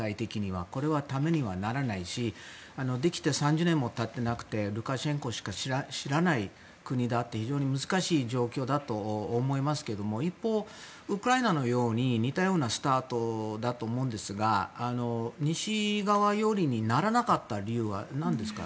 これはシンパにはならないしできて３０年も経ってなくてルカシェンコしか知らない国で非常に難しい状況だと思いますが一方、ウクライナのように似たようなスタートだと思うんですが西側寄りにならなかった理由は何ですか。